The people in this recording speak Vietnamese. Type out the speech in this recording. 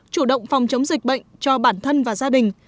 chủ động phòng chống dịch bệnh cho bản thân và gia đình